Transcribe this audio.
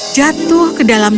jatuh ke dalamnya